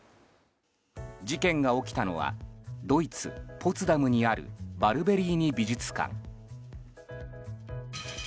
事件が起きたのはドイツ・ポツダムにあるバルベリーニ美術館。